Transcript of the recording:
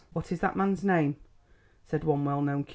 "What is that man's name?" said one well known Q.